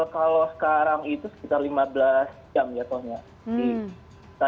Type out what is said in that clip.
kalau sekarang itu sekitar lima belas jam ya soalnya